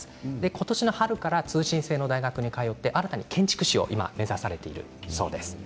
今年の春から通信制の大学に通って新たに建築士を今、目指されているそうです。